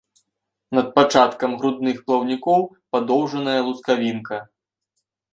Над пачаткам грудных плаўнікоў падоўжаная лускавінка.